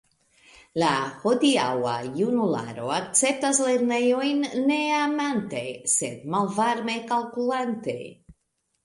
La hodiaŭa junularo akceptas lernejojn ne amante, sed malvarme kalkulante.